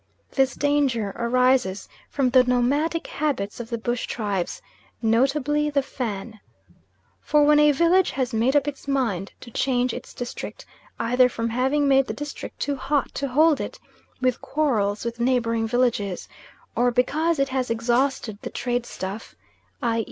This danger arises from the nomadic habits of the bush tribes, notably the Fan. For when a village has made up its mind to change its district, either from having made the district too hot to hold it, with quarrels with neighbouring villages; or because it has exhausted the trade stuff, i.